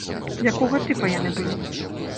Якога тыпа яны былі?